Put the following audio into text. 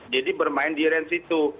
bermain di range itu